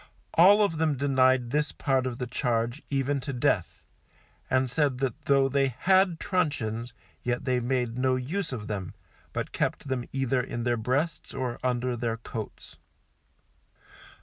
All of them denied this part of the charge, even to death, and said that though they had truncheons, yet they made no use of them, but kept them either in their breasts or under their coats.